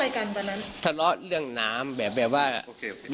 แต่พ่อผมยังมีชีวิตอยู่นะครับพูดประโยคนี้ประมาณ๓รอบ